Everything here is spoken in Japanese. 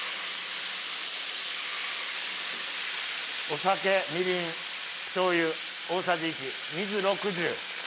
お酒みりん醤油大さじ１水６０